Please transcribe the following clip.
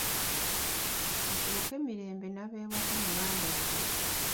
Mutuuke mirembe n’abewaka mubandabire.